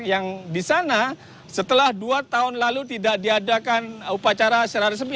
yang di sana setelah dua tahun lalu tidak diadakan upacara secara resmi